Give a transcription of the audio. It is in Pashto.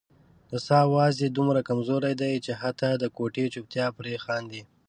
د ساه اواز یې دومره کمزوری دی چې حتا د کوټې چوپتیا پرې خاندي.